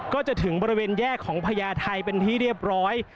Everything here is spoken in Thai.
ก็จะถึงบริเวณแยกของพญาไทยเป็นที่เรียบร้อย